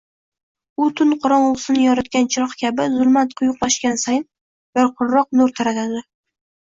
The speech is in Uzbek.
U tun qorong’usini yoritgan chiroq kabi zulmat quyuqlashgani sayin yorqinroq nur taratadi.